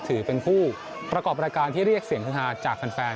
ถือเป็นผู้ประกอบรายการที่เรียกเสียงฮาจากแฟน